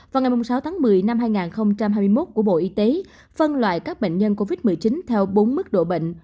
vào ngày sáu tháng một mươi năm hai nghìn hai mươi một của bộ y tế phân loại các bệnh nhân covid một mươi chín theo bốn mức độ bệnh